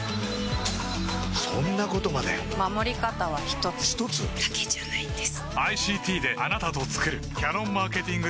そんなことまで守り方は一つ一つ？だけじゃないんです